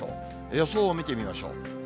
予想を見てみましょう。